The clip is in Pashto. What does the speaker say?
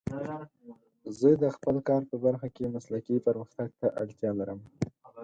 زه د خپل کار په برخه کې مسلکي پرمختګ ته اړتیا لرم.